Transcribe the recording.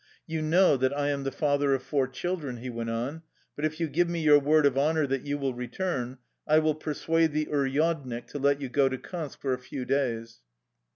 You know that I am the father of four children," he went on, " but if you give me your word of honor that you will re turn, I will persuade the uryadnik to let you go to Kansk for a few days."